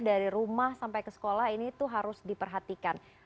dari rumah sampai ke sekolah ini tuh harus diperhatikan